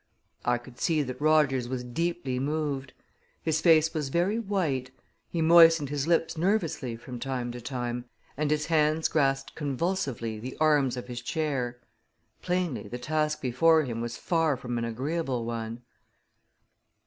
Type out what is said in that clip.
I could see that Rogers was deeply moved. His face was very white, he moistened his lips nervously from time to time, and his hands grasped convulsively the arms of his chair. Plainly, the task before him was far from an agreeable one.